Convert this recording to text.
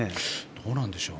どうなんでしょう。